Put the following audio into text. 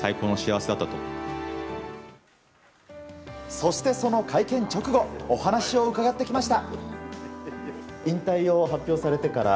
そしてその会見直後お話を伺ってきました。